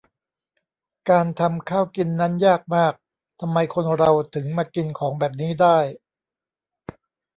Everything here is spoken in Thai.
การทำข้าวกินนั้นยากมาก ทำไมคนเราถึงมากินของแบบนี้ได้